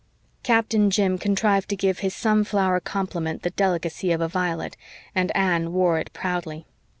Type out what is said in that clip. Captain Jim contrived to give his sunflower compliment the delicacy of a violet, and Anne wore it proudly.